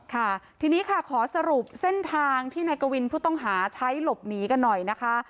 ค่ะทีนี้ค่ะขอสรุปเส้นทางที่นายกวินผู้ต้องหาใช้หลบหนีกันหน่อยนะคะ